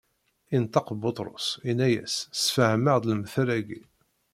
Inṭeq Buṭrus, inna-as: Sefhem-aɣ-d lemtel-agi.